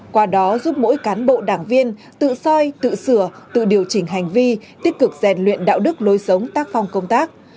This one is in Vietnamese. qua đó giúp mỗi cán bộ đảng viên tự soi tự sửa tự điều chỉnh hành vi tích cực rèn luyện đạo đức lối sống tác phong công tác